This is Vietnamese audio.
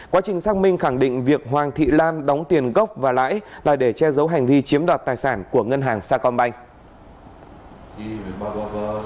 quá trình xác minh khẳng định việc hoàng thị lan đóng tiền gốc và lãi là để che giấu hành vi chiếm đoạt tài sản của ngân hàng sacombank